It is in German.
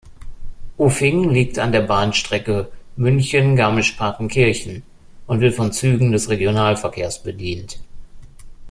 Uffing liegt an der Bahnstrecke München–Garmisch-Partenkirchen und wird von Zügen des Regionalverkehrs bedient.